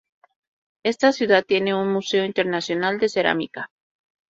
Esta ciudad tiene un Museo Internacional de Cerámica.